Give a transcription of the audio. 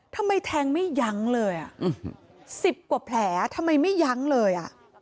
ทำไมแทงไม่ยั้งเลยอ่ะสิบกว่าแผลทำไมไม่ยั้งเลยอ่ะ